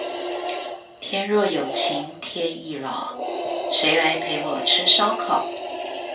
天若有情天亦老，誰來陪我吃燒烤